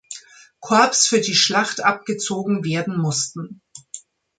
Korps für die Schlacht abgezogen werden mussten.